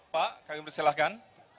pak kami persilahkan